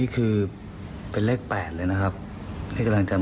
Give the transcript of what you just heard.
ของผู้ชม